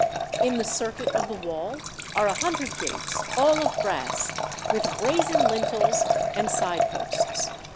In the circuit of the wall are a hund red gates, all of brass, with brazen lintels and side posts.